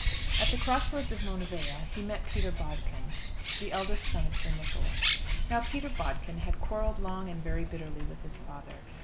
At the cross roads of Monivea he met Peter Bodkin, the eldest son of Sir Nicholas. Now Peter Bodkin had quarrelled long and very bitterly with his father.